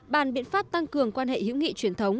bàn biện pháp tăng cường quan hệ hữu nghị truyền thống